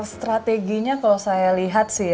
strateginya kalau saya lihat